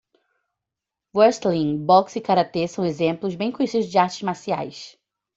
Wrestling, boxe e karatê são exemplos bem conhecidos de artes marciais.